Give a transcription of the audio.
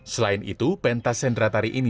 selain itu pentas sendratari ini